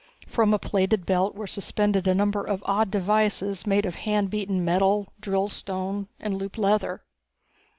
From a plaited belt were suspended a number of odd devices made of hand beaten metal, drilled stone and looped leather.